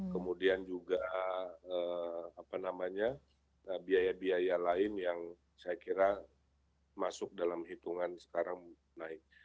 kemudian juga biaya biaya lain yang saya kira masuk dalam hitungan sekarang naik